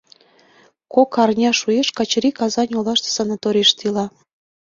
Кок арня шуэш, Качырий Казань олаште санаторийыште ила.